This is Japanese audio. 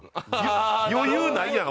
「余裕ないやん！